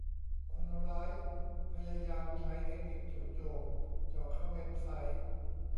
คนร้ายพยายามใช้เทคนิคจู่โจมเจาะเข้าเว็บไซต์